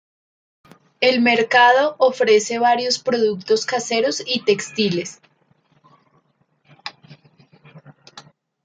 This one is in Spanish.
El mercado ofrece varios productos caseros y textiles.